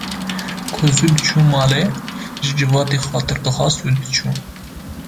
Ku zû diçû malê ji civatê xatir dixwest û diçû